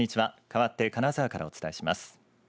かわって金沢からお伝えします。